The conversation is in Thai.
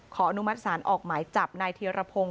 อนุมัติศาลออกหมายจับนายธีรพงศ์